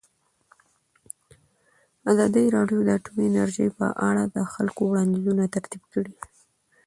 ازادي راډیو د اټومي انرژي په اړه د خلکو وړاندیزونه ترتیب کړي.